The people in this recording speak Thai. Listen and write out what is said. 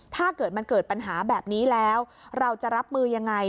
ถ้าเกิดมันเกิดปัญหาแบบนี้แล้วเราจะรับมือยังไง